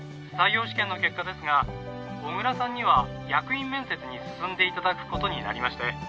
☎採用試験の結果ですが小倉さんには役員面接に進んでいただくことになりまして。